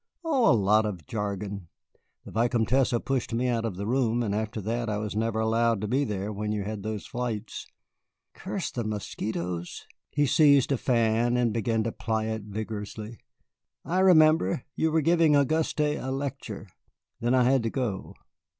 "Oh, a lot of jargon. The Vicomtesse pushed me out of the room, and after that I was never allowed to be there when you had those flights. Curse the mosquitoes!" He seized a fan and began to ply it vigorously. "I remember. You were giving Auguste a lecture. Then I had to go."